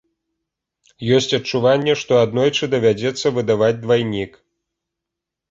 Ёсць адчуванне, што аднойчы давядзецца выдаваць двайнік.